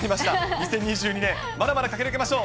２０２２年、まだまだ駆け抜けましょう。